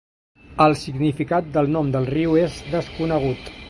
El significat del nom del riu és desconegut.